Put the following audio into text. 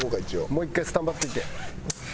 もう１回スタンバっておいて。